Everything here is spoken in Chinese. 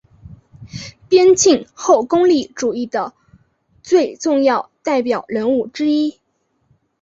边沁后功利主义的最重要代表人物之一。